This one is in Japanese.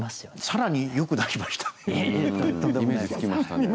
更によくなりましたね。